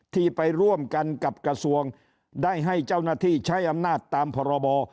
ที่ไปร่วมกันกับกระทรวงได้ให้เจ้าหน้าที่ใช้อำนาจตามพรบ